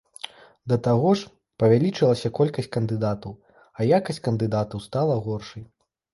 Да таго ж, павялічылася колькасць кандыдатаў, а якасць кандыдатаў стала горшай.